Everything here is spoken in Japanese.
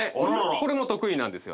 これも得意なんですよ。